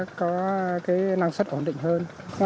nó sẽ có cái năng suất ổn định hơn